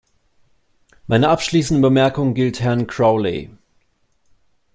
Meine abschließende Bemerkung gilt Herrn Crowley.